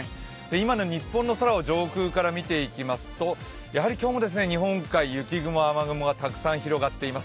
今の日本の空を上空から見ていきますとやはり今日も日本海雪雲、雨雲がたくさん広がっています。